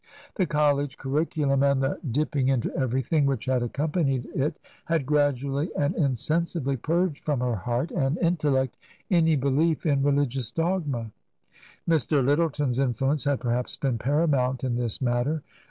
The college curriculum, and the "dipping into everything" which had accompanied it, had gradually and insensibly purged from her heart and b 2* V i8 TRANSITION. intellect any belief in religious dogma. Mr. Lyttleton's influence had, perhaps, been paramount in this matter.